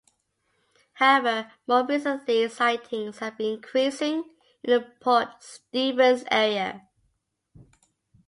However, more recently sightings have been increasing in the Port Stephens area.